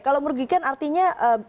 kalau merugikan artinya